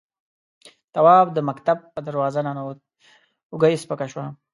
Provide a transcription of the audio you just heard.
تواب د مکتب په دروازه ننوت، اوږه يې سپکه شوه.